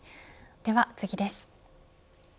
では次です。